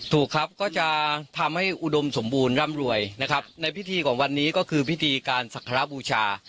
ถูกครับก็จะทำให้อุดมสมบูรณ์ร่ำรวยนะครับในพิธีของวันนี้ก็คือพิธีการศักระบูชา